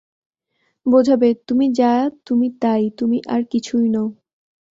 বোঝাবে, তুমি যা তুমি তাই-ই, তুমি আর কিছুই নও।